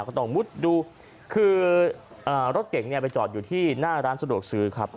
ก็ต้องมุดดูคือรถเก่งเนี่ยไปจอดอยู่ที่หน้าร้านสะดวกซื้อครับ